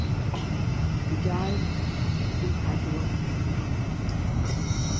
He died in Padua.